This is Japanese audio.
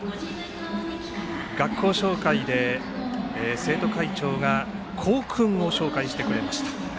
学校紹介で生徒会長が校訓を紹介してくれました。